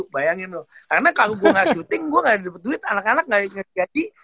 bayangin loh karena kalau gue gak syuting gue gak dapet duit anak anak gak bisa jadi